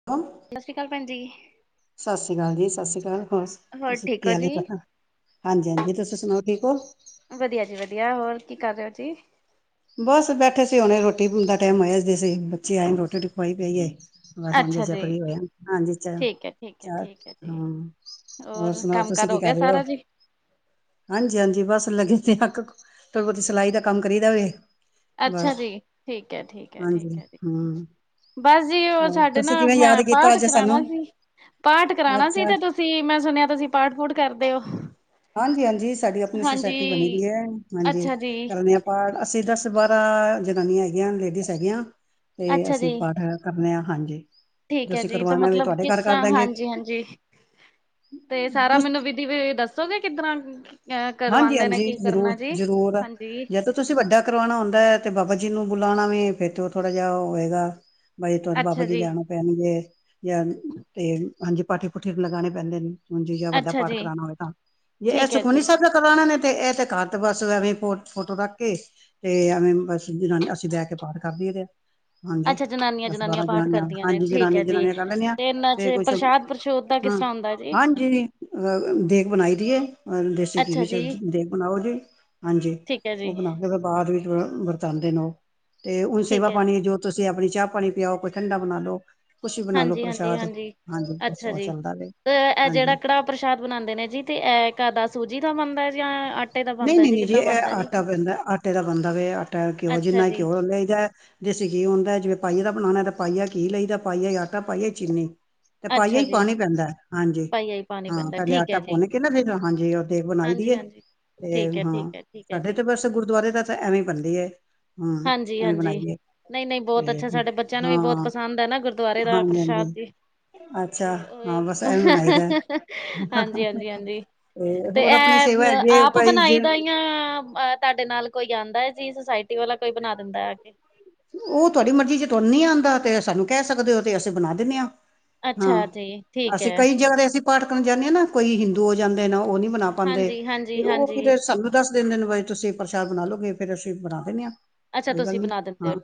[inaudible] ਸਤਿ ਸ਼੍ਰੀ ਅਕਾਲ ਭੈਣ ਜੀ। ਸਤਿ ਸ਼੍ਰੀ ਅਕਾਲ ਜੀ ਸਤਿ ਸ਼੍ਰੀ ਅਕਾਲ ਹੋਰ ਤੁਸੀਂ ਕੀ ਹਾਲ ਹੋ ਪਤਾ। ਹਾਂਜੀ ਹਾਂਜੀ ਤੁਸੀ ਸੁਣਾਓ ਠੀਕ ਹੋ? ਵਧੀਆ ਜੀ, ਵਧੀਆ ਹੋਰ ਕੀ ਕਰ ਰਹੇ ਹੋ ਜੀ। ਬਸ ਬੈਠੇ ਸੀ, ਹੁਣੇ ਰੋਟੀ ਦਾ ਟਾਈਮ ਹੋਇਆਦੀ ਸੀ ਬੱਚੀੇ ਆਏ ਰੋਟੀ ਰੋਟੀ ਖਵਾਈ ਪਈ ਏ। ਬਸ ਹਦੇ ਅੱਛਾ ਚ ਜੀ ਫਰੀ ਹੋ ਹਾਂਜੀ, ਚ ਠੀਕ ਹੈ ਠੀਕ ਹੈ ਚਹਾਂ। ਠੀਕ ਹੈ ਜੀ। ਹੋਰ ਸੁਣਾਓ, ਕੰਮ ਤੁਸੀਂ ਕਾਰ ਕੀ ਗਿਆ ਕਰ ਰਹੇ ਹੋ? ਸਾਰਾ ਜੀ? ਹਾਂਜੀ, ਹਾਂਜੀ, ਬਸ ਲੱਗੇ ਸੀ ਅੱਕ ਥੋੜ੍ਹੀ ਬਹੁਤੀ ਸਿਲਾਈ ਦਾ ਕੰਮ ਕਰੀਦਾ ਹੋਵੇ। ਅੱਛਾ ਜੀ, ਠੀਕ ਹਾਂਜੀ ਹੈ। ਹਮ ਬਸ ਜੀ, ਉਹ ਹੋਰ ਸਾਡੇ ਤੁਸੀਂ ਨਾਲ ਕਿਵੇਂ ਯਾਦ ਮੈਂ ਕੀਤਾ ਪਾਠ ਅੱਜ ਕਰਾਉਣਾ ਸਾਨੂੰ ਸੀ ਪਾਠ ਕਰਾਉਣਾ ਸੀ ਅੱਛਾ ਤੇ ਤੁਸੀਂ ਤੁਸੀਂ, ਮੈਂ ਸੁਣਿਆ ਤੁਸੀਂ ਪਾਠ ਪੂਠ ਕਰਦੇ ਹੋ। ਹਾਂਜੀ, ਹਾਂਜੀ ਸਾਡੀ ਆਪਣੀ ਹਾਂਜੀ ਸੁਸਾਇਟੀ ਬਣੀ ਦੀ ਹੈ ਹਾਂਜੀ ਅੱਛਾ ਜੀ ਕਰਨ ਪਾਠ ਅਸੀਂ, ਦਸ ਬਾਰਾਂ ਜਨਾਨੀਆਂ ਹੈਗੀਆਂ, ਲੇਡੀਜ਼ ਹੈਗੀਆਂ, ਤੇ ਅੱਛਾ ਅਸੀਂ ਜੀ। ਪਾਠ। ਕਰਦੇ, ਹਾਂ, ਹਾਂਜੀ। ਜੋ ਠੀਕ ਹੈ, ਅਸੀਂ ਜੀ, ਤਾਂ ਕਰਵਾਉਣਾ ਹੋਵੇ ਮਤਲਬ ਤੁਹਾਡੇ ਕਿਸ ਘਰ ਕਰ ਤਰ, ਦਾਂਗੇ ਹਾਂਜੀ, ਹਾਂਜੀ। ਤੇ ਸਾਰਾ, ਤੁ ਮੈਨੂੰ ਵਿਧੀ ਦੱਸੋਗੇ ਕਿਦਰਾਂ। ਆਂ ਕਰਵਾਉਂਦੇ ਨੇ। ਹਾਂਜੀ-ਹਾਂਜੀ, ਕੀ ਜ਼ਰੂਰ, ਕਰਨਾ ਜੀ ਜ਼ਰੂਰ। ਹਾਂਜੀ। ਜਾਂ ਤਾਂ ਤੁਸੀਂ ਵੱਡਾ ਕਰਵਾਉਣਾ ਹੁੰਦਾ ਹੈ। ਤੇ ਬਾਬਾ ਜੀ ਨੂੰ ਬੁਲਾਉਣਾ ਹੋਵੇ ਫਿਰ ਉਹ ਥੋੜਾ ਜਿਹਾ ਉਹ ਹੋਵੇਗਾ। ਬਾਈ ਤੁਰ ਬਾਬਾ ਜੀ ਲੈਉਣੇ ਪੈਣਗੇ। ਜਾਂ ਤੇ ਹਾਂਜੀ ਪਾਠੀ ਪੁੂਠੀ ਲਗਾਉਣੇ ਪੈਂਦੇ ਨੇਂ। ਹਾਂਜੀ ਵੱਡਾ ਅੱਛਾ ਪਾਠ ਜੀ, ਕਰਾਉਣਾ ਹੋਵੇ। ਤਾਂ ਜੇ ਇਹ ਠੀਕ ਹੈ ਸੁਖਮਨੀ ਜੀ। ਸਾਹਿਬ ਦਾ। ਨੇ ਤੇਂ ਇਹ ਤੇ ਕਰਦ ਬਸ ਐਵੇਂ ਫੋਟੋ ਰੱਖ ਕੇ। ਤੇ ਐਵੇਂ ਬਸ ਜ ਅਸੀਂ ਬੈ ਕੇ ਪਾਠ ਕਰਦੀਏ ਦੇ ਆਂ। ਹਾਂਜੀ ਅੱਛਾ ਜਨਾਨੀਆਂ ਦਸ ਬਾਰਾਂ ਪਾਠ ਜਨਾਨੀਆਂ ਕਰਦੀਆਂ ਨੇ ਹਾਂਜੀ। ਠੀਕ ਹੈ ਜਨਾਨੀਆਂ ਜੀ। ਜਨਾਨੀਆਂ ਕਰ ਲੈਂਦੀਆਂ। ਤੇ ਇਹਨਾਂ ਚ ਕੋਈ ਸ ਪ੍ਰਸ਼ਾਦ ਪ੍ਰਸ਼ੂਦ ਦਾ ਕਿਸ ਹਾਂ ਤਰ੍ਹਾਂ ਹੁੰਦਾ ਜੀ? ਹਾਂਜੀ ਅਹ ਦੇਗ ਬਣਾਈ ਦੀ ਹੈ। ਦੇ ਅੱਛਾ ਜੀ, ਦੇਂਗ ਬਣਾਓ ਜੀ। ਹਾਂਜੀ ਠੀਕ ਹੈ ਜੀ, ਉਹ ਬਣਾ ਕੇ ਬਾਅਦ ਵਿੱਚ ਵਰਤਉਂਦੇ ਨੇ। ਉਹ ਤੇ ਹੁਣ ਠੀਕ ਸੇਵਾ ਹੈ ਜੀ, ਪਾਣੀ। ਜੋ ਤੁਸੀਂ ਆਪਣੀ ਚਾਹ ਪਾਣੀ ਪਿਆਓ। ਕੋਈ ਠੰਢਾ ਬਣਾ ਲਓ। ਤੁਸੀਂ ਬਣਾਲੋ ਹਾਂਜੀ, ਹਾਂਜੀ, ਪ੍ਰਸ਼ਾਦ ਹਾਂਜੀ। ਹਾਂਜੀ। ਅੱਛਾ ਪਰਸੋ ਜੀ। ਚੱਲਦਾ ਵਾਂ ਤੇ ਇਹ ਜਿਹੜਾ ਹਾਂਜੀ। ਕੜਾਹ ਪ੍ਰਸ਼ਾਦ ਬਣਾਉਂਦੇ ਨੇ ਜੀ। ਤੇ ਇਹ ਕਦਾ ਸੂਜੀ ਦਾ ਬਣਦਾ ਜਾਂ। ਆਟੇ ਦਾ ਨਹੀਂ ਬਣਦਾ ਨਹੀਂ ਜੀ ਨਹੀਂ। ਜੇ ਕਿੱਦਾਂ ਬਣਦਾ ਇਹ ਜੀ? ਆਟਾ ਪੈਂਦਾ ਆਟੇ ਦਾ ਬੰਨਦਾ ਵੀ ਆਟਾ ਘਿਓ ਅੱਛਾ ਜਿੰਨਾ ਜੀ, ਘਿਓ ਲ ਜਾਂ। ਦੇਸੀ ਘੀ ਹੁੰਦਾ। ਜੇ ਪਾਈਏ ਦਾ ਬਣਾਉਣਾ ਤਾਂ ਪਾਈ ਘੀ ਲਈ ਦਾ ਪਾਈਆ ਆਟਾ ਤੇ ਪਾਈਆ ਚੀਨੀ। ਤੇ ਪਾਈਆ ਅੱਛਾ ਹੀ ਜੀ, ਪਾਣੀ ਪੈਂਦਾ ਹਾਂਜੀ। ਪਾਈਆ ਹੀ ਪਾਣੀ ਹਾਂ ਪੈਂਦਾ ਪਹਿਲੇ ਠੀਕ ਹੈ ਆਟਾ ਜੀ। ਪਾਉਣ ਕੇ ਕਹਿੰਦੇ ਫ਼ੇਰ ਹਾਂਜੀ ਓਦੇ ਬਣਾਈ ਦੀਈਏ। ਹਾਂਜੀ-ਹਾਂਜੀ, ਤੇ ਠੀਕ ਐ, ਹਾਂ। ਠੀਕ ਐ, ਠੀਕ ਐ ਸਾਡੇ ਜੀ, ਤੇ ਬਸ ਗੁਰਦੁਆਰੇ ਦਾ ਤਾਂ ਐਵੇਂ ਹੀ ਬਣਦੀ ਹੈ। ਹਮ ਅਵੇਂ ਬਣਾਈਏ ਦੀਏ। ਨਹੀਂ ਨਹੀਂ ਬਹੁਤ ਅੱਛਾ। ਸਾਡੇ ਬੱਚਿਆਂ ਨੂੰ ਵੀ ਬਹੁਤ ਪਸੰਦ ਹੈ ਨਾ ਗੁਰਦੁਆਰੇ ਦਾ ਹਾਂਜੀ ਹਾਂਜੀ ਪ੍ਰਸ਼ਾਦ ਜੀ। ਤੇ ਅੱਛਾ ਉ ਓਹੀ ਹਾਂ ਬਸ ਐਵੇਂ ਬਣਾਈ ਦਾ ਹਾਂਜੀ ਹਾਂਜੀ ਹਾਂਜੀ। ਤੇ ਤੇਂ ਹੋਰ ਆਪਣੀ ਸੇਵਾ ਇਹ ਹੈਗੀ ਆਪ। ਭਾਈ ਬਣਾਈ ਜੇ ਦਾ ਤੁਹਾਡੇ ਨਾਲ ਕੋਈ ਆਉਂਦਾ ਜੀ। ਸੋਸਾਇਟੀ ਵਾਲਾ ਕੋਈ ਬਣਾ ਦਿੰਦਾ ਆ ਕੇਂ। ਉਹ ਤੁਹਾਡੀ ਮਰਜ਼ੀ ਚ ਤੁਹਾਨੂੰ ਨੀ ਆਉਂਦਾ। ਤੇ ਸਾਨੂੰ ਕਹਿ ਸਕਦੇ ਹੋ। ਤੇ ਅਸੀਂ ਬਣਾ ਦਿੰਦੇ ਹਾਂ। ਹਾਂ ਅੱਛਾ ਜੀ, ਠੀਕ ਅਸੀਂ ਐ, ਕਈ ਜਗ੍ਹਾ ਦੇ ਅਸੀਂ ਪਾਠ ਕਰਨ ਜਾਂਦੇ ਹਾਂ ਨਾਂ। ਕੋਈ ਹਿੰਦੂ ਹੋ ਜਾਂਦੇ ਨਾਂ ਉਹ ਨੀ ਬਨਾਅ ਉਹ ਹਾਂਜੀ-ਹਾਂਜੀ-ਹਾਂਜੀ। ਫਿਰ ਸਾਨੂੰ ਦੱਸ ਦਿੰਦੇ ਆ ਤੁਸੀਂ ਪ੍ਰਸ਼ਾਦ ਬਣਾ ਲੋਗੇ ਫਿਰ ਅਸੀਂ ਬਣਾ ਦਿੰਦੇ ਆ ਅੱਛਾ ਤੁਸੀਂ ਬਣਾ ਦਿੰਦੇ ਹੋ। ਹਾਂ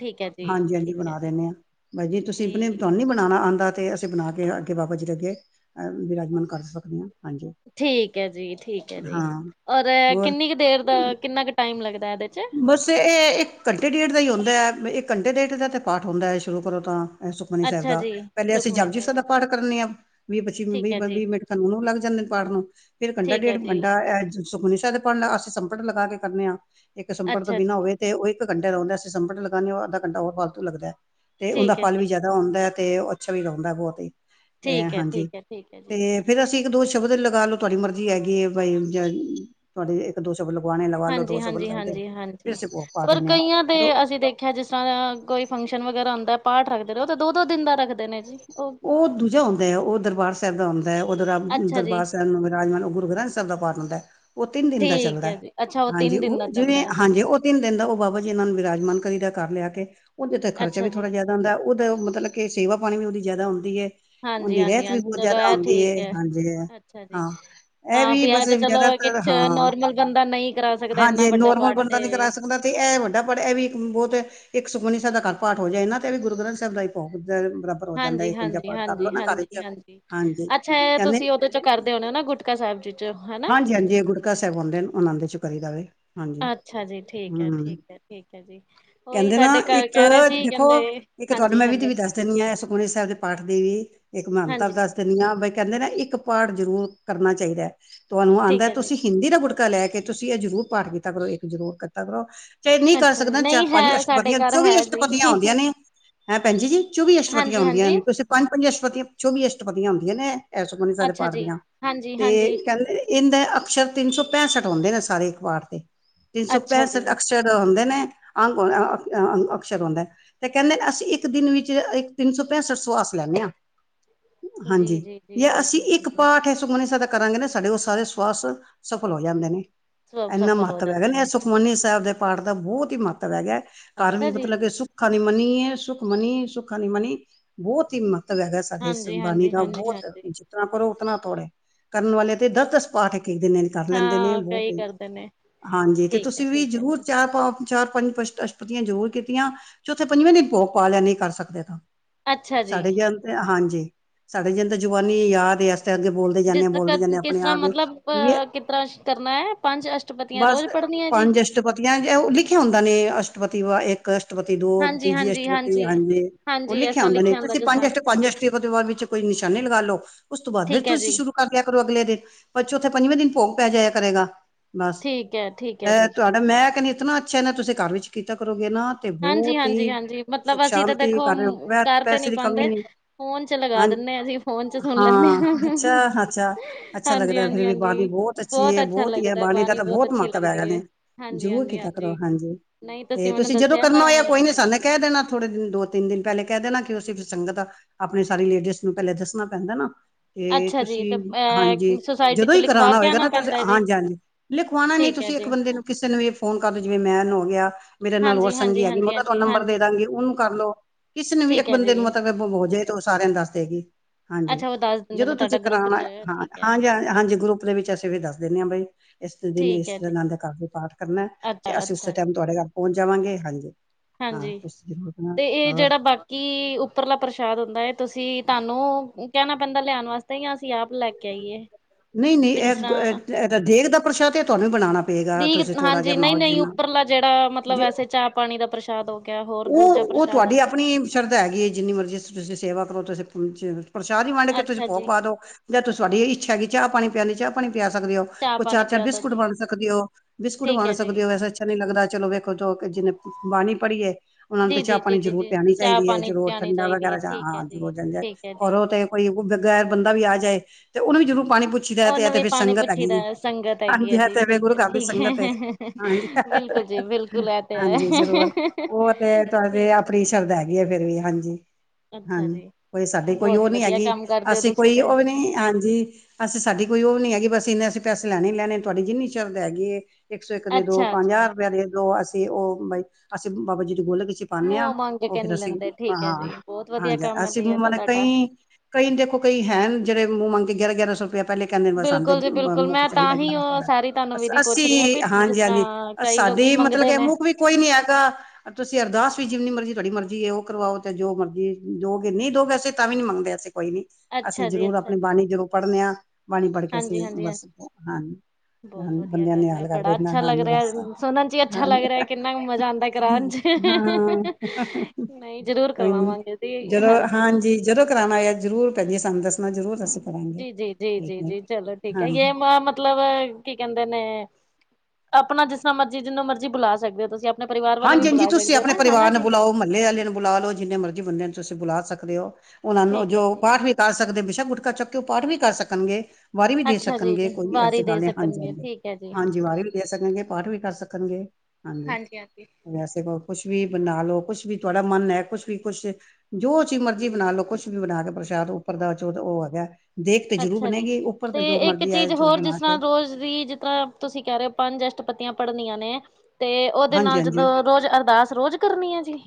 ਹਾਂਜੀ ਹਾਂਜੀ ਬਣਾ ਦਿੰਦੇ। ਹਾਂ ਬਾਈ ਜੀ ਤੁਸੀਂ ਠੀਕ। ਨਹੀਂ ਬਣਾਉਣਾ ਆਉਂਦਾ। ਤੇ ਅਸੀਂ ਬਣਾ ਕੇ ਅੱਗੇ ਬਾਬਾ ਜੀ ਅੱਗੇ ਵਿਰਾਜਮਾਨ ਕਰ ਸਕਦੇ ਹਾਂ ਹਾਂਜੀ। ਠੀਕ ਹੈ ਜੀ ਠੀਕ ਹੈ ਜੀ। ਹਾਂ ਔਰ ਹੋਰ ਕਿੰਨੀ ਕੁ ਦੇਰ ਦਾ ਕਿੰਨਾ ਕੁ ਟਾਈਮ ਲੱਗਦਾ ਇਹਦੇ। ਬਸ ਇਹ ਇੱਕ ਘੰਟੇ ਡੇਟ ਦਾ ਹੀ ਹੁੰਦਾ ਹੈ। ਇੱਕ ਘੰਟੇ ਡੇਟ ਦਾ ਤਾਂ ਪਾਠ ਹੁੰਦਾ ਹੈ। ਸ਼ੁਰੂ ਕਰੋ ਤਾਂ। ਸੁਖਮਨੀ ਸਾਹਿਬ ਅੱਛਾ ਦਾ। ਜੀ, ਪਹਿਲੇ ਅਸੀਂ ਸੁਖਮਨੀ ਜਾਪਜੀ ਸਾਹਿਬ ਦਾ ਜੀ, ਪਾਠ ਕਰਨੇ ਹਾਂ। ਵੀਹ ਪੱਚੀ ਠੀਕ ਵੀਹ ਹੈ ਜੀ, ਵੀਹ ਮਿੰਟ ਤੁਾਨੂੰਹ ਲੱਗ ਜਾਂਦੇ ਨੇ। ਪਾਠ ਨੂੰ ਫੇਿਰ ਕੰਢਾ ਠੀਕ ਹੈ ਡੇਢ ਜੀ, ਕੰਡਾ ਸੁਖਮਨੀ ਸਾਹਿਬ ਦਾ ਅਸੀਂ ਸੰਪਟ ਲਗਾ ਕੇ ਕਰਨੇ ਆ। ਇੱਕ ਸੰਪਟ ਤੋਂ ਅੱਛਾ ਬਿਨਾ ਜੀ। ਹੋਵੇ। ਤੇ ਉਹ ਇੱਕ ਘੰਟਾ ਆਸੀਂ ਸੰਬਰਟ ਲਿਆਂਦੇ। ਅੱਧਾ ਘੰਟਾ ਫਲੂ ਲੱਗਦਾ ਤੇ ਉਹਦਾ ਠੀਕ ਹੈ ਫਲ ਜੀ, ਵੀ ਜ਼ਿਆਦਾ ਹੁੰਦਾ ਤੇ ਅੱਛਾ ਵੀ ਰਹਦਾ ਬਹੁਤ ਹੀ। ਤੇ ਠੀਕ ਹੈ, ਹਾਂਜੀ ਠੀਕ ਹੈ, ਠੀਕ ਹੈ ਜੀ, ਤੇ। ਫੇਰ ਅਸੀਂ ਇੱਕ ਦੋ ਸ਼ਬਦ ਲਗਾ ਲਓ। ਤੁਹਾਡੀ ਮਰਜ਼ੀ ਹੈਗੀ ਹੈਂ ਬਾਈ। ਤੁਹਾਡੀ ਇੱਕ ਦੋ ਸ਼ਬਦ ਲਵਾਉਣੇ ਲਵਾ ਲ ਲੋ ਦੋ ਹਾਂਜੀ, ਸ਼ਬਦ ਹਾਂਜੀ, ਹਾਂਜੀ, ਫਿਰ ਹਾਂਜੀ। ਅਸੀਂ ਭੋਗ ਪਾ ਪਰ ਦਿੰਦੇ ਹਾਂ ਕਈਆਂ ਦੇ। ਅਸੀਂ ਦੇਖਿਆ। ਜਿਸ ਤਰ੍ਹਾਂ ਕੋਈ ਫੰਕਸ਼ਨ ਵਗੈਰਾ ਹੁੰਦਾ। ਪਾਠ ਰੱਖਦੇ ਨੇ ਉਹ ਤਾਂ ਦੋ ਦੋ ਦਿਨ ਦਾ ਰੱਖਦੇ ਨੇ ਜੀ। ਉਹ ਉਹ ਦੂਜਾ ਹੁੰਦਾ ਹੈ। ਉਹ ਦਰਬਾਰ ਸਾਹਿਬ ਦਾ ਹੁੰਦਾ ਹੈ। ਉਹ ਦ ਅੱਛਾ ਜੀ, ਦਰਬਾਰ ਸਾਹਿਬ ਨੂੰ ਵਿਰਾਜਮਾਨ ਗੁਰੂ ਗ੍ਰੰਥ। ਤਿੰਨ ਦਾ ਪਾਠ ਹੁੰਦਾ। ਉਹ ਤਿੰਨ ਦਿਨ ਦਾ ਠੀਕ ਚੱਲਦਾ ਹੈ ਜੀ, ਅੱਛਾ ਹਾਂਜੀ। ਤਿੰਨ ਦਿਨ ਉਹ ਦਾ ਚੱਲਦਾ ਜਿਹਵੇਂ ਹੈ। ਹਾਂਜੀ ਉਹ ਤਿੰਨ ਦਿਨ ਦਾ ਉਹ ਬਾਬਾ ਜੀ ਇਹਨਾਂ ਨੂੰ ਵਿਰਾਜਮਾਨ ਕਰੀ ਦਾ ਘਰ ਲਿਆ ਕੇ। ਉਹਦੇ ਉੱਤੇ ਖਰਚਾ ਅੱਛਾ ਵੀ ਜੀ, ਥੋੜ੍ਹਾ ਜਿਆਦਾ ਉਦਾ ਉਹਦਾ ਮਤਲਬ ਕਿ ਸੇਵਾ ਪਾਣੀ ਵੀ ਉਹਦੀ ਜ਼ਿਆਦਾ ਹੁੰਦੀ ਹੈ। ਹਾਂਜੀ, ਉਹਦੀ ਹਾਂਜੀ, ਰਹਿਤ ਵੀ ਹਾਂਜੀ ਬਹੁਤ ਚਲੋ ਜਿਆਂਦਾ ਇਹ ਆਉਂਦੀ। ਠੀਕ ਹੈ। ਹਾਂਜੀ ਅੱਛਾ ਜੀ, ਹਾਂ ਇਹ ਹਾਂ ਵੀ ਪਿਆ ਬਸ ਤਾਂ ਚਲੋ ਜ਼ਿਆਦਾਤਰ। ਕੁਛ ਹਾਂ ਨੋਰਮਲ ਬੰਦਾ ਨਹੀਂ ਕਰਾ ਸਕਦਾ ਇੰਨਾ ਹਾਂਜੀ ਵੱਡਾ ਨੋਰਮਲ ਪਾਠ ਬੰਦਾ ਨੀਂ ਤੇ ਕਰਾ ਸਕਦਾ। ਅਤੇ ਇਹ ਵੱਡਾ ਪਰ੍ਹ ਇਹ ਵੀ ਇੱਕ ਬਹੁਤ। ਇੱਕ ਸੁਖਮਨੀ ਸਾਹਿਬ ਦਾ ਘਰ ਪਾਠ ਹੋ ਜਾਏ। ਇਹ ਨਾ ਤੇ ਵੀ ਗੁਰੂ ਗ੍ਰੰਥ ਸਾਹਿਬ ਦਾ ਬਰਾਬਰ ਹੁੰਦਾ। ਹਾਂਜੀ ਹਾਂਜੀ ਹਾਂਜੀ ਹਾਂਜੀ ਹਾਂਜੀ। ਅੱਛਾ ਇਹ ਤੁਸੀਂ ਉਹਦੇਂ ਕਰਦੇ ਹੋਣੇ ਨਾ। ਗੁਟਕਾ ਸਾਹਿਬ ਚੋ ਹਾਂਜੀ ਹਾਂਜੀ ਇਹ ਗੁੜਕਾ ਸਾਹਿਬ ਆਉਂਦੇ ਨੇ। ਉਹਨਾਂ ਦੇ ਚੁ ਕਰੀ ਦਾਵੇ। ਅੱਛਾ ਜੀ, ਠੀਕ ਹੈ, ਠੀਕ ਹੈ, ਠੀਕ ਹੈ ਜੀ, ਉਹੀ ਸਾਡੇ ਘਰ ਕਹਿ ਰਹੇ ਸੀਹ ਉਹ ਇੱਕ ਤੁਹਾਨੂੰ ਮੈਂ ਵੀਧੀ ਵੀ ਦੱਸ ਦਿੰਦੀ ਹਾਂ, ਸੁਖਮਨੀ ਸਾਹਿਬ ਦੇ ਪਾਠ ਦੀ ਵੀ, ਇੱਕ ਮਹਾਨਤਾ ਹਾਂਜੀ ਦੱਸ ਕਹਿੰਦੇ ਨਾ, ਇੱਕ ਪਹਾੜ ਜ਼ਰੂਰ ਕਰਨਾ ਚਾਹੀਦਾ, ਤੁਹਾਨੂੰ ਠੀਕ ਆਉਂਦਾ ਹੈ ਜੀ। ਤੁਸੀਂ ਹਿੰਦੀ ਦਾ ਗੁਟਕਾ ਲੈ ਕੇ, ਤੁਸੀਂ ਇਹ ਜ਼ਰੂਰ ਪਾਠ ਕੀਤਾ ਕਰੋ ਇੱਕ ਜ਼ਰੂਰਤਾ ਕਰੋ ਚਾਹੇ ਨਹੀਂ ਕਰ ਅੱਛਾ ਜੀ ਸਕਦਾ, ਚਾਹ ਨਹੀਂ ਪੰਜ ਹੈ ਸਾਡੇ ਅਸ਼ਟਪਤੀਆਂ, ਘਰ ਚੋਵੀ ਹੈ ਜੀ। ਅਸ਼ਟਪਤੀਆਂ ਆਉਦੀਆਂ ਨੇ ਹੈਂ ਭੈਣਜੀ ਜੀ ਚੌਵੀ ਅਸ਼ਟਪਤੀਆਂ ਹਾਂਜੀ, ਹੁੰਦੀਆਂ ਹਾਂਜੀ ਨੇ, ਤੁਸੀਂ ਪੰਜ ਅਸ਼ਟਪਤੀਆਂ, ਚੌਵੀ ਅਸ਼ਟਪਤੀਆਂ ਹੁੰਦੀਆਂ ਨੇ ਐ ਸੁਖਮਨੀ ਸਾਹਿਬ ਦੇ ਅੱਛਾ ਪਾਠ ਜੀ ਦੀਆਂ ਹਾਂਜੀ, ਤੇ ਹਾਂਜੀ ਕਹਿੰਦੇ ਇਦੇ ਅਕਸ਼ਰ ਤਿੰਨ ਸੌ ਪੈਂਸਠ ਹੁੰਦੇ ਨੇ ਸਾਰੇ ਇਕ ਪਾਠ ਦੇ, ਤੇ ਤਿੰਨ ਸੌ ਅੱਛਾ ਜੀ। ਪੈਂਸਠ ਅਕਸ਼ਰ ਫਿਰ ਹੁੰਦੇ ਨੇ, ਅੰਗ ਅਕਸ਼ਰ ਹੁੰਦਾ ਤੇ ਕਹਿੰਦੇ ਅਸੀਂ ਇੱਕ ਦਿਨ ਵਿੱਚ, ਇੱਕ ਤਿੰਨ ਸੌ ਪੈਂਸਠ ਸੁਵਾਸ ਲੈਂਦੇ ਹਾਂ ਹਾਂਜੀ ਜੀ, ਜੇ ਜੀ, ਅਸੀਂ ਜੀ, ਜੀ, ਇੱਕ ਜੀ। ਪਾਠ ਇਹ ਸੁਖਮਨੀ ਸਾਹਿਬ ਦਾ ਕਰਾਂਗੇ ਨਾ ਸਾਡੇ ਉਹ ਸਾਰੇ ਸਵਾਸ ਸਫਲ ਹੋ ਜਾਂਦੇ ਨੇ ਸਫ ਇੰਨਾ ਸਫਲ ਹੋ ਮਹੱਤਵ ਹੈਗਾ, ਜਾਂਦੇ ਨਹੀਂ ਇਹ ਨੇ ਸੁਖਮਨੀ ਸਾਹਿਬ ਦੇ ਪਾਠ ਦਾ ਬਹੁਤ ਹੀ ਮਹੱਤਵ ਹੈਗਾ, ਘਾਰ ਅੱਛਾ ਵਿੱਚ ਜੀ ਮਤਲਬ ਕਿ ਸੁ ਸੁੱਖ ਮਨੀ ਏ ਸੁੱਖਮਨੀ, ਸੁੱਖਾ ਨੀ ਮਨੀ ਬਹੁਤ ਹੀਮ ਬ ਹੈਗਾ, ਸਾਡੇ ਇਸ ਹਾਂਜੀ, ਬਾਣੀ ਹਾਂਜੀ, ਦਾ ਹਾਂਜੀ, ਬਹੁਤ ਹਾਂਜੀ। ਜਿਤਨਾ ਕਰੋ ਉਤਨਾ ਥੋੜਾ ਐ, ਕਰਨ ਵਾਲੇ ਤੇ ਅੱਛਾ ਦਸ ਜੀ ਦਸ ਪਾਠ ਇੱਕ ਇੱਕ ਦਿਨ ਚ, ਕਰ ਲੈਂਦੇ ਨੇ ਹਾਂ ਬਹੁਤ ਕਈ ਕਰਦੇ ਨੇ ਹਾਂਜੀ, ਤੇ ਠੀਕ ਹੈ, ਤੁਸੀਂ ਵੀ ਠੀਕ ਹੈ ਜ਼ਰੂਰ ਜੀ। ਚਾਰ ਪੰਜ ਚਾਰ ਪੰਜ ਪਸ਼ ਅਸ਼ਪਤੀਆਂ ਜ਼ਰੂਰ ਕੀਤੀਆਂ, ਚੌਥੇ ਪੰਜਵੇਂ ਦਿਨ ਭੋਗ ਪਾ ਲਿਆ ਨਹੀਂ ਕਰ ਸਕਦੇ ਤਾਂ ਅੱਛਾ ਜੀ। ਸਾਡੇ ਜਨ ਹਾਂਜੀ, ਸਾਡੇ ਜਿਨ ਤੇ ਜ਼ੁਬਾਨੀ ਯਾਦ ਏ ਤੇ ਅਗੇ ਬੋਲਦੇ ਜਾਂਨੇ ਆ, ਬੋਲਦੇ ਜਾਨੇ ਆ ਹਾ, ਮਤਲਬ ਕਿਸ ਤਰ੍ਹਾਂ ਕਰਨਾ ਹੈ, ਪੰਜ ਅਸ਼ਟਪਤੀਆਂ ਬਸ ਰੋਜ਼ ਪੜ੍ਹਨੀਆਂ ਜੀ ਪੰਜ ਅਸ਼ਟਪਤੀਆਂ ਉਹ ਲਿਖਿਆ ਹੁੰਦਾ ਨੇ, ਅਸ਼ਟਪਤੀ ਵਾ ਇੱਕ ਇੱਕ ਅਸ਼ਟਪਤੀ, ਦੋ ਹਾਂਜੀ ਤੀਜੀ ਹਾਂਜੀ ਅਸ਼ਟਪਤੀ, ਹਾਂਜੀ ਉਹ ਹਾਂਜੀ ਇਸ ਲਿਖਿਆ ਤਰ੍ਹਾਂ ਹੁੰਦਾ ਨੇ, ਤੁਸੀਂ ਜਿਸ ਪੰਜ ਤਰ੍ਹਾਂ ਅਟ ਪੰਜ ਅਸ਼ਟਪਦੀ ਤੋਂ ਬਾਅਦ ਵਿੱਚ ਕੋਈ ਨਿਸ਼ਾਨੀ ਲਗਾ ਲਓ, ਉਸ ਤੋਂ ਬਾਅਦ ਫਿਰ ਠੀਕ ਹੈ ਤੁਸੀਂ ਜੀ। ਸ਼ੁਰੂ ਕਰ ਲਿਆ ਕਰੋ ਅਗਲੇ ਦਿਨ, ਪਰ ਉੌਥੇ ਪੰਜਵੇਂ ਦਿਨ ਭੋਗ ਪੈ ਜਾਇਆ ਕਰੇਗਾ, ਬਸ ਠੀਕ ਹੈ ਠੀਕ ਹੈ ਇਹ ਜੀ ਤੁਹਾਡਾ ਮੈਂ ਕਹਿੰਦੀ ਇਤਨਾ ਅੱਛਾ ਐ ਨਾ, ਤੁਸੀਂ ਘਰ ਵਿੱਚ ਕੀਤਾ ਕਰੋਗੇ ਨਾ ਤੇ ਹਾਂਜੀ ਬਹੁਤ ਹੀ ਹਾਂਜੀ ਹਾਂਜੀ ਸੁਖ ਮਤਲਬ ਅਸੀਂ ਤਾਂ ਸ਼ਾਂਤੀ ਦੇਖੋ ਘਾਰ, ਮੈਂ ਕਰ ਤੇ ਪੈਸੇ ਨਹੀਂ ਦੀ ਕਮੀ ਪਾਉਂਦੇ ਨ ਫੋਨ ਚ ਹਾਂ ਲਗਾ ਦਿੰਦੇ ਅਸੀਂ ਫੋਨ ਚ ਸੁਣ ਲੈਂਦੇ ਹਾਂ ਅੱਛਾ ਅੱਛਾ ਅੱਛਾ ਹਾਂਜੀ ਲੱਗਦਾ ਫਿਰ ਹਾਂਜੀ ਵੀ ਬਾਣੀ ਹਾਂਜੀ ਬਹੁਤ ਅੱਛੀ ਏ ਅੱਛਾ ਬਹੁਤ ਹੀ ਹੈ, ਲੱਗਦਾ ਬਾਣੀ ਦਾ ਤਾਂ ਬਹੁਤ ਅੱਛੀ ਮਹੱਤਵ ਹੈਗਾ ਲੱਗਦੀ ਹੈ। ਨੇ ਹਾਂਜੀ ਜਰੂਰ ਹਾਂਜੀ ਕੀਤਾ ਕਰੋ ਹਾਂਜੀ ਨਹੀਂ ਤੁਸੀਂ ਤੇ ਮੈਨੂੰ ਦੱਸ ਜਦੋਂ ਕਰਨਾ ਹੋਇਆ ਕੋਈ ਨ, ਸਾਨੂੰ ਕਹਿ ਦੇਣਾ ਥੋੜੇ ਦਿਨ, ਦੋ ਤਿੰਨ ਦਿਨ ਪਹਿਲੇ ਕਹਿ ਦੇ ਨਾ ਕਿ ਅਸੀਂ ਸੰਗਤ ਆਪਣੀ ਸਾਰੀ ਲੇਡੀਜ਼ ਨੂੰ ਪਹਿਲੇ ਦੱਸਣਾ ਪੈਂਦਾ ਨਾ ਤੇ ਅੱਛਾ ਜੀ ਤੁਸੀਂ ਤੇ ਹਾਂਜੀ ਅ ਸੁਸਾਇਟੀ ਜਦੋਂ ਚ ਹੀ ਲਿਖਵਾ ਕਰਾਉਣਾ ਕੇ ਹੋਏਗਾ ਆਣਾ ਨਾ ਤੁਸੀਂ, ਪੈਂਦਾ ਜੀ ਆਣ ਜਾਣ ਲਿਖਵਾਉਣਾ ਨਹੀਂ ਠੀਕ ਹੈ ਤੁਸੀਂ ਇੱਕ ਜੀ ਬੰਦੇ ਨੂੰ ਕਿਸੇ ਨੂੰ ਵੀ ਫੋਨ ਕਰ ਦਿਓ, ਜਿਵੇਂ ਮੈਨ ਹੋ ਗਿਆ ਮੇਰੇ ਨਾਲ ਹੋਰ ਹਾਂਜੀ ਹਾਂਜੀ ਸੰਗੀ ਹੈਗੀ, ਹਾਂਜੀ ਮੈਂ ਉਹ ਤਾਂ ਹਾਂਜੀ ਤੁਹਾਨੂੰ ਨੰਬਰ ਹਾਂਜੀ ਦੇ ਦਾਂਗੀ ਉਹਨੂੰ ਕਰ ਲੋਓ, ਕਿਸੇ ਨੇ ਵੀ ਠੀਕ ਇੱਕ ਹੈ ਬੰਦੇ ਨੂੰ ਜੀ ਮਤਲਬ ਹੋ ਜਾਏ, ਤੇ ਉਹ ਸਾਰਿਆਂ ਨੂੰ ਦੱਸ ਦੇਗੀ ਹਾਂਜੀ ਅੱਛਾ ਉਹ ਦੱਸ ਦਿੰਦੇ ਜਦੋਂ ਨੇ ਤੁਹਾਡਾ ਤੁਸੀਂ ਗਰੁੱਪ ਕਰਾਉਣਾ ਚ ਹੋਯਾ ਹਾਂ ਠੀਕ ਹੈ ਹਾਂਜੀ ਹਾਂਜੀ, ਗਰੁੱਪ ਦੇ ਵਿੱਚ ਅਸੀਂ ਵੀ ਦੱਸ ਦਿੰਦੇ ਹਾਂ ਬਾਈ ਇਸ ਦਿਨ ਠੀਕ ਇਸ ਹੈ ਦੇ ਜੀ ਨਾਮ ਦਾ ਪਾਠ ਕਰਨਾ, ਤੇ ਅੱਛਾ ਅਸੀਂ ਉਸੇ ਅੱਛਾ ਟਾਈਮ ਤੁਹਾਡੇ ਘਰ ਪਹੁੰਚ ਜਾਵਾਂਗੇ ਹਾਂਜੀ ਹਾਂ ਤੁਸੀ ਜ਼ਰੂਰ ਹੋਰ ਕੀ ਉੱਪਰਲਾ ਪ੍ਰਸ਼ਾਦ ਹੁੰਦਾ ਹੈ, ਤੁਸੀਂ ਤੁਹਾਨੂੰ ਕਹਿਣਾ ਪੈਂਦਾ ਲਿਆਉਣ ਵਾਸਤੇ ਨਹੀ, ਅਸੀਂ ਆਪ ਲੈ ਕੇ ਆਈਏ ਨਹੀਂ ਨਹੀਂ ਵੀ ਜਿਸ ਤਰ੍ਹਾਂ ਇਹ ਇਹ ਦੇਗ ਦਾ ਪ੍ਰਸ਼ਾਦ ਇਹ ਤੁਹਾਨੂੰ ਬਣਾਉਣਾ ਪਏਗਾ ਠੀਕ, ਤੁਸੀਂ ਥੋੜਾ ਹਾਂਜੀ ਜਿਹਾ ਨਹੀਂ ਬਣਾਓ ਨਹੀਂ, ਜਿੰਨਾ ਉੱਪਰਲਾ ਜਿਹੜਾ ਮਤਲਬ ਜੇ ਵੈਸੇ ਚਾਹ ਪਾਣੀ ਦਾ ਪ੍ਰਸ਼ਾਦ ਔ ਉਹ ਉਹ ਤੁਹਾਡੀ ਆਪਣੀ ਸ਼ਰਧਾ ਹੈਗੀ ਹੈ, ਜਿੰਨੀ ਮਰਜ਼ੀ ਤੁਸੀਂ ਸੇਵਾ ਕਰੋ, ਤੁਸੀਂ ਪਹੁੰਚ ਪ੍ਰਸ਼ਾਦ ਈ ਵੰਡ ਕੇ ਤੁਸੀਂ ਅੱਛਾ ਭੋਗ ਜੀ ਪਾ ਦਉ, ਜਾਂ ਤੁਸੀਂ ਤੁਹਾਡੀ ਇਹ ਇੱਛਾ ਹੈਗੀ ਚਾਹ ਪਾਣੀ ਪਿਆਉਂ, ਚਾਹ ਪਾਣੀ ਪਿਆ ਸਕਦੇ ਹੋ ਚਾਹ ਕੋਈ ਚਾਰ ਪਾਣੀ ਚਾਰ ਪਿਆਦਾ ਬਿਸਕੁਟ ਜੀ ਵਡ ਸਕਦੇ ਹੋ, ਬਿਸਕੁਟ ਠੀਕ ਬਣ ਹੈ ਜੀ ਸਕਦੇ ਹੋ ਵੈਸੇ ਅੱਛਾ ਨੀ ਲੱਗਦਾ, ਚਲੋ ਵੇਖੋ ਜੋ ਜਿੰਨੇ ਬਾਣੀ ਪੜ੍ਹੀ ਏ ਉਹਨਾਂ ਜੀ, ਨੂੰ ਚਾਹ ਜੀ, ਜੀ, ਪਾਣੀ ਜੀ, ਜ਼ਰੂਰ ਜੀ ਪਿਆਣੀ ਚਾਹ ਚਾਹੀਦੀ ਹੈ, ਪਾਣੀ ਜਰੂਰ ਪਿਆਣੀ ਠੰਡਾ ਚਾਹੀਦੀ ਹੈ ਵਗੈਰਾ ਜਾਂ ਠੀਕ ਹੈ ਹਾਂ ਜ਼ਰੂਰ ਹੋ ਜੀ, ਜਾਂਦਾ ਠੀਕ ਹੈ ਜੀ। ਘਰੋਂ ਤੇ ਬਗੈਰ ਬੰਦਾ ਵੀ ਆ ਜਾਏ ਤੇ ਉਹਨੇ ਵੀ ਜਰੂਰ ਪਾਣੀ ਪੁੱ ਪੁੱਛਦਾ ਤੇ ਇਹ ਉਹਨੂੰ ਤੇ ਵੀ ਫਿਰ ਪਾਣੀ ਸੰਗਤ ਪੁੱਛੀ ਦਾ ਹੈਗੀ। ਹੈ, ਸੰਗਤ ਹੈਗੀ ਹਾਂਜੀ ਹੈ ਇਹ ਜੀ ਤੇ ਫਿਰ ਠੀਕ ਗੁਰੂ ਹੈ, ਘਰ ਦੀ ਠੀਕ ਸੰਗਤ ਹੈ। ਹਾਂਜੀ, ਹ -ਹ ਬਿਲਕੁਲ ਜੀ -ਹ ਬਿਲਕੁਲ ਇਹ ਤੇ ਹੈ ਹਾਂਜੀ ਜ਼ਰੂਰ ਉਹ ਤੇ ਇਹ ਤੁਹਾੜੀ ਠੀਕ ਹੈ। ਆਪਣੀ ਸ਼ਰਧਾ ਹੈਗੀ ਆ ਫੇਰ ਵੀ, ਹਾਂਜੀ ਅੱਛਾ ਹਾਂਜੀ, ਜੀ ਕੋਈ ਸਾਡੀ ਕੋਈ ਬਹੁਤ ਉਹ ਨਹੀ ਵਧੀਆ ਹੈਗੀ। ਕੰਮ ਕਰਦੇ ਹੋ ਅਸੀਂ ਤੁਸੀਂ ਕੋਈ ਤੇ ਉਹ ਵੀ ਨਹੀਂ ਹਾਂਜੀ ਅਸੀਂ ਸਾਡੀ ਕੋਈ ਉਹ ਨੀ ਹੈਗੀ ਬਸ ਇੰਨੇ ਅਸੀ ਪੈੇ ਲੈਣੇ- ਲੈਣੇ, ਤੁਹਾਡੀ ਜਿੰਨੀ ਸ਼ਰਧਾ ਹੈਗੀ ਹੈ ਇੱਕ ਸੌ ਇੱਕ ਦੇ ਦੋ, ਅੱਛਾ, ਪੰਜ ਅੱਛਾ। ਰੁਪਇਆ ਦੀ ਦੋ ਅਸੀਂ ਉਹ ਬਈ, ਅਸੀਂ ਬਾਬਾ ਜੀ ਦੇ ਗੋਲਕ ਚ ਪਾਉਦੇ ਹਾਂ। ਮੂੰਹ ਮੰਗ ਉਹ ਕੇ ਨੀ ਫੇਰ ਅਸੀਂ ਲੈਂਦੇ ਠੀਕ ਹੈ ਹਾਂ ਜੀ ਬਹੁਤ ਵਧੀਆ ਹਾਂਜੀ, ਕੰਮ ਹੈ ਅਸੀਂ ਤੇ ਇਹ ਤਾਂ ਮਤਲਬ ਤੁਹਾਡਾ। ਕਈ ਕਈ ਦੇਖੋ ਕਈ ਹੈਨ ਜਿਹੜੇ ਮੂੰਹ ਮੰਗੇ ਗਿਆਰਾਂ -ਗਿਆਰਾਂ ਸੌ- ਪਹਿਲੇ ਕਹਿੰਦੇ ਸਾਨੂੰ ਤੇ ਬਿਲਕੁਲ ਜੀ ਬਿਲਕੁਲ ਮੁੱਖ ਮੈਂ ਤਾਂ ਚਾਹੀਦਾ, ਹੀ ਗਿਆਰਾਂ ਸੌ ਉਹ ਦਾ ਸਾਰੀ ਤੁਹਾਨੂੰ ਵਿਧੀ ਪੁੱਛ ਅਸੀ, ਰਹੀ ਹਾਂ ਵੀ ਜਿਸ ਹਾਂਜੀ- ਹਾਂਜੀ ਤਰ੍ਹਾਂ ਕਈ ਲੋਕੀ ਸਾਡੀ ਮਤਲਬ ਮੰਗਦੇ ਕਿ ਨੇ ਮੁੁੱਖ ਵੀ ਕੋਈ ਨੀ ਹੈਗਾ ਤੁਸੀਂ ਅਰਦਾਸ ਵੀ ਜਿਵਨੀ ਮਰਜ਼ੀ ਤੁਹਾਡੀ ਮਰਜ਼ੀ ਉਹ ਕਰਵਾਓ ਤੇ ਜੋ ਮਰਜ਼ੀ ਦੋਗੇ ਨਹੀਂ ਦੋਗੇ ਅਸੀਂ ਤਾਂ ਵੀ ਨੀ ਮੰਗਦੇ ਸ ਕੋਈ ਨੀ। ਅਸੀਂ ਅੱਛਾ ਜੀ ਜਰੂਰ ਅੱਛਾ ਆਪਣੀ ਬਾਣੀ ਜਦੋ ਪੜ੍ਹਨੇ ਆ ਬਾਣੀ ਪੜ ਕੇ ਅਸੀਂ ਹਾਂਜੀ, ਹਾਂਜੀ, ਹਾਂਜੀ। ਬਸ, ਹਾਂਜੀ ਬਹੁਤ ਵਧੀਆ ਗੱਲ ਹੈ। ਬੜਾ ਅੱਛਾ ਲੱਗ ਰਿਹਾ ਹੈ। ਬਸ ਹਾਂ ਸੁਣਨ ਚ ਹੀ ਅੱਛਾ ਹਾਂ ਲੱਗ ਰਿਹਾ ਕਿੰਨਾ ਕੁ ਮਜ਼ਾ ਆਉਂ ਕਰਾਨ ਚ ਨਹੀਂ, ਜ਼ਰੂਰ ਕੋਈ ਕਰਵਾਵਾਂਗੇ ਤੇ ਹਾਂਜੀ ਕਰਾਣਾ ਹੋਇਆ ਜਰੂਰ ਭੈਣ ਜੀ ਸਾਨੂੰ ਦੱਸ ਜੀ -ਜੀ -ਜੀ -ਜੀ- ਜੀ ਚਲੋ ਠੀਕ ਹੈ, ਹਾਂਜੀ ਯ ਮ ਮਤ ਮਤਲਬ ਕੀ ਕਹਿੰਦੇ ਨੇ, ਆਪਣਾ ਜਿਸ ਤਰ੍ਹਾਂ ਮਰਜੀ ਜਿਹਨੂੰ ਮਰਜੀ ਬੁਲਾ ਸਕਦੇ ਹੋ ਤੁਸੀਂ ਆਪ ਹਾਂਜੀ -ਹਾਂਜੀ, ਤੁਸੀਂ ਆਪਣੇ ਪਰਿਵਾਰ ਨੂੰ ਬੁਲਾਓ, ਮਹੱਲੇ ਵਾਲੇ ਨੂੰ ਬੁਲਾ ਲਓ ਜਿੰਨੇ ਮਰਜ਼ੀ ਬੰਦੇ ਨੇ ਤੁਸੀਂ ਬੁਲਾ ਸਕਦੇ ਹੋ, ਉਹਨਾਂ ਨੂੰ ਠੀਕ ਹੈ ਜੋ ਜੀ ਪਾਠ ਵੀ ਕਰ ਸਕਦੇ ਬਿਸ਼ਕ ਗੁਟਕਾ ਚੁੱਕ ਕੇ ਉਹ ਪਾਠ ਵੀ ਕਰ ਸਕਣਗੇ ਵਾਰੀ ਵੀ ਦੇ ਅੱਛਾ ਜੀ ਸਕਣਗੇ ਕੋਈ ਐਸੀ ਵਾਰੀ ਦੇ ਗੱਲ ਨਈ ਹੈ, ਹਾਂਜੀ- ਸਕਣਗੇ ਹਾਂਜੀ ਠੀਕ ਹੈ ਜੀ ਹਾਂਜੀ ਵਾਰੀ ਵੀ ਦੇ ਸਕਣਗੇ ਪਾਠ ਵੀ ਕਰ ਸਕਣਗੇ, ਹਾਂਜੀ ਹਾਂਜੀ- ਹਾਂਜੀ ਵੈਸੇ ਕੋ ਕੁਛ ਵੀ ਬਣਾ ਲਓ। ਕੁਛ ਵੀ ਤੁਹਾਡਾ ਮਨ ਹੈ ਕੁਛ ਵੀ ਕੁਛ ਜੋ ਚੀਜ਼ ਮਰਜ਼ੀ ਬਣਾ ਲਓ ਕੁਛ ਵੀ ਬਣਾ ਕੇ ਪ੍ਰਸ਼ਾਦ ਉੱਪਰ ਦਾ ਚੋਂ ਤਾਂ ਉਹ ਹੈਗਾ ਦੇਗ ਤੇ ਜ਼ਰੂਰ ਅੱਛਾ ਜੀ ਬਣੇਗੀ ਉੱਪਰ ਤੇ ਦਾ ਜੋ ਇੱਕ ਮਰਜ਼ੀ ਆਏ ਚੀਜ਼ ਜੋ ਹੋਰ ਜਿਸ ਬਣਾ ਤਰ੍ਹਾਂ ਕੇ ਰੋਜ਼ ਦੀ ਜਿਸ ਤਰ੍ਹਾਂ ਤੂਸੀ ਕੈ ਰੇ ਓ ਪੰਜ ਅਸ਼ਟਪਦੀਆਂ ਪੜਨੀਆਂ ਨੇ, ਤੇ ਓਦੇ ਹਾਂਜੀ ਨਾਲ ਹਾਂਜੀ ਜਦੋ ਰੋਜ ਅਰਦਾਸ ਰੋਜ ਕਰਨੀ ਐ ਜੀ?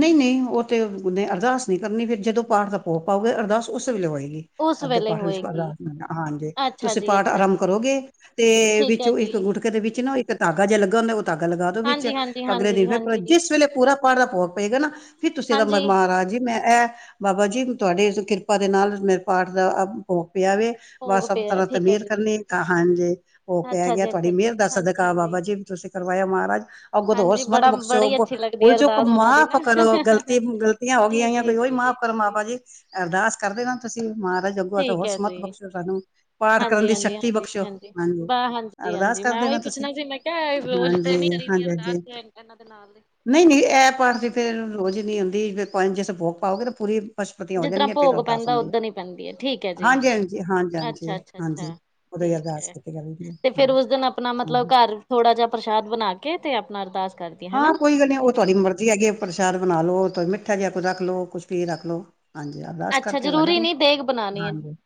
ਨਈ- ਨਈ ਓ ਤੇ ਉਦੇ ਅਰਦਾਸ ਨੀ ਕਰਨੀ, ਫਿਰ ਜਦੋਂ ਪਾਠ ਦਾ ਭੋਗ ਪਾਓਗੇ, ਅਰਦਾਸ ਉਸੇ ਵੇਲੇ ਹੋਏਗੀ। ਉਸ ਅੱਧੇ ਵੇਲੇ ਪਾਠ ਵਿਚ ਪਢ ਹੋਏਗੀ ਹਾਂਜੀ, ਅੱਛਾ ਤੂਸੀ ਜੀ ਪਾਠ ਅੱਛਾ ਆਰੰਭ ਜੀ ਕਰੋਗੇ। ਤੇ, ਠੀਕ ਹੈ ਵਿਚੋਂ ਜੀ। ਇਕ ਗੁਟਕੇ ਦੇ ਵਿਚ ਨਾ ਤੇ ਧਾਗਾ ਜੇ ਲੱਗਾ ਹੂਂਦਾ, ਓ ਧਾਗਾ ਲਗਾ ਦੋ ਵਿਚ, ਹਾਂਜੀ ਹਾਂਜੀ ਅਗਲੇ ਹਾਂਜੀ ਦਿਨ ਫਿਰ ਪੁਰਾ, ਹਾਂਜੀ ਜਿੱਸ ਵੇਲੇ ਪੂਰਾ ਪਾਠ ਦਾ ਭੋਗ ਪਏਗਾ ਨਾ ਫਿਰ ਤੂਸੀ ਏਦਾ ਹਾਂਜੀ ਮਮ ਰਾਜ ਜੀ ਮੈਂ ਏਹ, ਬਾਬਾ ਜੀ ਤੂਆਡੀ ਕਿਰਪਾ ਦੇ ਨਾਲ ਮੇਰੇ ਪਾਠ ਦਾ ਭੋਗ ਪੇਆ ਵੇ ਬਾ ਭੋਗ ਸਬ ਪਿਆ ਤਰਾਂ ਤੇ ਠੀਕ ਹੈ ਮੇਹਰ ਜੀ। ਕਰਨੀ, ਕਹਾਂ ਜੀ ਭੋਗ ਪੈ ਅੱਛਾ ਗੇਆ ਜੀ ਤੂਆਡੀ ਅੱਛਾ ਮੇਹਰ ਜੀ ਦਾ ਹਾਂਜੀ ਸਦਕਾ ਹਾਂਜੀ। ਬਾਬਾ ਜੀ ਤੂਸੀ ਕਰਵਾਇਆ ਮਹਾਰਾਜ ਅਗਤੋਂ ਹੋਰ ਹਾਂਜੀ ਸਮਤ ਬੜਾ ਬਖਸ਼ੋ ਬੜੀ ਅੱਛੀ ਲੱਗਦੀ ਭੁਲ- ਹੈ ਚੁਕ ਅਰਦਾਸ ਉਹਨਾਂ ਦੀ ਮਾਫ ਨਾ। ਗਲਤੀ ਗ਼ਲਤੀਆਂ ਹੋ ਜੀ ਗਈ ਜੀ ਕੋਈ ਓਹੀ ਜੀ ਜੀ ਮਾਫ਼ ਕਰੋ ਬਾਬਾ ਜੀ ਅਰਦਾਸ ਕਰਦੇ ਨਾ ਤੁਸੀਂ ਮਹਾਰਾਜ ਅਗੋਂ ਤੇ ਠੀਕ ਹੋਰ ਹੈ ਸਮਤ ਜੀ। ਬਖਸ਼ੋ ਸਾਨੂੰ, ਪਾਠ ਕਰਨ ਦੀ ਸ਼ਕਤੀ ਬਖਸ਼ੋ, ਹਾਂਜੀ। ਹਾਂਜੀ ਅਰਦਾਸ -ਹਾਂਜੀ, ਕਰ ਮੈਂ ਉਹੀ ਦੇਣਾ ਤੁਸੀਂ ਪੁੱਛਣਾ ਸੀ ਮੈਂ ਕਿਹਾ ਰੋਜ਼ ਤੇ ਹਾਂਜੀ ਨਈ ਕਰੀ ਦੀ ਹਾਂਜੀ ਅਰਦਾਸ ਹਾਂਜੀ ਇਹਨਾਂ ਦੇ ਨਾਲ ਨਹੀਂ -ਨਹੀਂ, ਇਹ ਪਾਠ ਦੀ ਫੇਰ ਰੋਜ਼ ਨਹੀਂ ਹੁੰਂਦੀ ਜੇ ਭੋਗ ਪਾਓਗੇ ਤਾਂ ਪੂਰੀ ਪਸ਼ਪਤੀਆਂ ਹੋ ਜਿੱਦਰ ਜਾਣਗੀਆਂ ਫਿਰ ਭੋਗ ਅਰਦਾਸ ਪੈਂਦਾ ਹੁੰਦੀ ਹੈ ਉਧਣ ਹੀ ਪੈਂਦੀ ਹੈ ਠੀਕ ਹੈ ਜੀ, ਹਾਂਜੀ ਹਾਂਜੀ ਹਾਂਜੀ ਹਾਂਜੀ ਅੱਛਾ- ਅੱਛਾ- ਅੱਛਾ ਹਾਂਜੀ ਉਦੋਂ ਹੀ ਠੀਕ ਅਰਦਾਸ ਹੈ, ਕੀਤੀ ਜਾਂਦੀ ਹੈ ਤੇ ਹਾਂ ਫੇਰ ਉਸ ਦਿਨ ਆਪਣਾ ਮਤਲਬ ਹਾਂ ਘਰ ਥੋੜਾ ਜਿਹਾ ਪ੍ਰਸ਼ਾਦ ਬਣਾ ਕੇ ਤੇ ਆਪਣਾ ਅਰਦਾਸ ਕਰਕੇ ਹਾਂ, ਕੋਈ ਗੱਲ ਨੀ ਉਹ ਤੁਹਾਡੀ ਮਰਜ਼ੀ ਹੈਗੀ ਪ੍ਰਸ਼ਾਦ ਬਣਾ ਲਓ ਮਿੱਠਾ ਜਿਹਾ ਕੁਝ ਰੱਖ ਲੋ ਕੁਛ ਵੀ ਰੱਖ ਲੋ ਹਾਂਜੀ, ਅਰਦਾਸ ਅੱਛਾ ਕਰਕੇ ਵੱਢ ਜਰੂਰੀ ਦੋ, ਨੀ ਦੇਗ ਬਣਾਉਣੀ ਹੈ ਹਾਂਜੀ।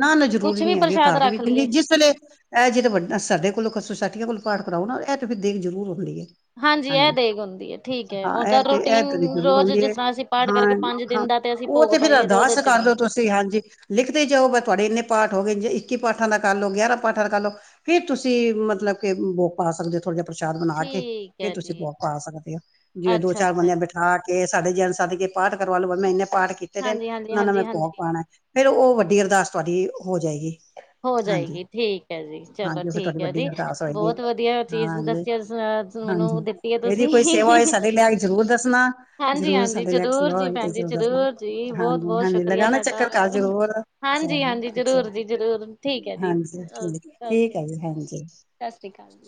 ਨਾ -ਨਾ, ਜ਼ਰੂਰੀ ਕੁਛ ਵੀ ਨੀ ਹੈਗੀ ਪ੍ਰਸ਼ਾਦ ਘਰ ਦੇ ਰੱਖ ਵਿੱਚ ਲਈਏ। ਜਿਸ ਵੇਲੇ ਏ ਜੇਦੇ ਵਡਾ ਨਾ ਸਾਡੇ ਕੋਲੋਂ ਸੋਸਾਇਟੀਆਂ ਕੋਲ ਪਾਠ ਕਰਾਓ ਨਾ, ਏ ਤੇ ਫੇਰ ਦੇਗ ਜਰੂਰ ਹੋਂਦੀ ਏ। ਇਹ ਹਾਂਜੀ, ਦੇਗ ਹੁੰਦੀ ਹੈ ਠੀਕ ਹੈ ਹਾਂ ਓਦਾ ਏ ਤੇ ਏ ਰੂਟੀਨ ਤੇਰੀ ਜਰੂਰ ਰੋਜ਼ ਹੋਦੀ ਜਿਸ ਐ ਤਰ੍ਹਾਂ ਅਸੀਂ ਪਾਠ ਹਾਂ, ਕਰਕੇ ਪੰਜ ਹਾਂ। ਦਿਨ ਦਾ ਅਸੀਂ ਓ ਭੋਗ ਤੇ ਫੇਰ ਪਾਈਏ ਉਹਦੇ ਅਰਦਾਸ ਚ ਕਰ ਰੋ ਨੀ ਤੁਸ ਤੇ ਹਾਂਜੀ, ਲਿਖਦੇ ਜਾਓ ਵ ਥੁਆਡੇ ਇਨੇ ਪਾਠ ਹੋ ਗਏ ਜੇ, ਇਕੀ ਪਾਠਾਂ ਦਾ ਕਰ ਲਓ, ਗੇਆਰਾਂ ਪਾਠਾਂ ਦਾ ਕਰ ਲਓ ਤੇ ਕੀ ਤੁਸੀ ਮਤਲਬ ਕੇ ਉਬੋ ਪਾ ਸਕਦੇ ਓ ਥੋੜ ਜੇਆ ਪ੍ਰਸ਼ਾਦ ਬਨਾ ਕੇ, ਠੀਕ ਫੇਰ ਹੈ ਤੁਸੀ ਜੀ। ਪਾ ਸਕਦੇ ਓ, ਜੇ ਦੋ ਅੱਛਾ ਚਾਰ ਅੱਛਾ ਬੰਦੇਆਂ ਨੂੰ ਜੀ ਬਿਠਾ ਕੇ ਸਾਡੇ ਜੇਲ ਸੱਦ ਕੇ ਪਾਠ ਕਰਵਾ ਲੋ, ਮੈਂ ਇਨੇ ਪਾਠ ਕੀਤੇ ਜੇ, ਹਾਂਜੀ ਹਾਂਜੀ ਓਨਾਂ ਦਾ ਹਾਂਜੀ ਮੈਂ ਭੋਗ ਹਾਂਜੀ ਪਾਣੈ। ਫੇਰ ਓ ਵੱਡੀ ਅਰਦਾਸ ਤੂਆਡੀ, ਹੋ ਜਾਏਗੀ। ਹੋ ਹਾਂਜੀ ਜਾਏਗੀ, ਠੀਕ ਐ ਜੀ, ਚਲੋ ਹਾਂਜੀ ਉਹ ਫਿਰ ਤੁਹਾਡੀ ਠੀਕ ਐ ਵੱਡੀ ਜੀ, ਅਰਦਾਸ ਹੋਏਗੀ ਬੋਤ ਵਦੀਆ ਚੀਜ਼ ਹਾਂਜੀ ਦੱਸੀ ਐ ਸ ਹਾਂਜੀ ਮੈਨੂੰ ਦਿੱਤੀ ਏ ਇਹਦੀ ਤੂਸੀ, ਕੋਈ ਸੇਵਾ ਹੋਏ ਹੀਂ-ਹੀਂ-ਹੀਂ, ਸਾਡੇ ਲੈ ਕੇ ਜ਼ਰੂਰ ਦੱਸਣਾ ਜ਼ਰੂਰ ਹਾਂਜੀ-ਹਾਂਜੀ, ਸਾਡੇ ਲੈ ਕੇ ਜਰੂਰ ਸੇਵਾ ਹੋਏ ਤੇ ਜੀ-ਭੈਣ-ਜੀ, ਜ਼ਰੂਰ ਦੱਸਣਾ ਜਰੂਰ। ਜੀ ਹਾਂਜੀ ਬੋਤ-ਬੋਤ ਹਾਂਜੀ ਸ਼ੁਕਰੀਆ ਲਗਾਣਾ ਤਾਡਾ, ਚੱਕਰ ਘਰ ਜ਼ਰੂਰ ਅੱਛਾ ਹਾਂਜੀ-ਹਾਂਜੀ, ਅੱਛਾ, ਜਰੂਰ-ਜੀ-ਜਰੂਰ। ਠੀਕ ਹੈ ਜੀ, ਹਾਂਜੀ ਓਕ, ਠੀਕ ਠੀਕ ਓਕੇ। ਹੈ ਜੀ ਹਾਂਜੀ। ਸਸ਼੍ਰੀ ਕਾਲ।